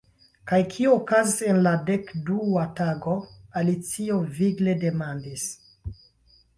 "Kaj kio okazis en la dekdua tago," Alicio vigle demandis.